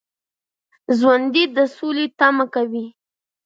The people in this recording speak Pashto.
ژوندي د سولې تمه کوي